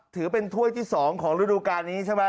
ถือเป็นถ้วยที่๒ของฤดูการนี้ใช่ไหม